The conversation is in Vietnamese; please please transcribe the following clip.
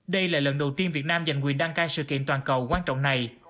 đây là lần đầu tiên việt nam giành quyền đăng cai sự kiện toàn cầu quan trọng này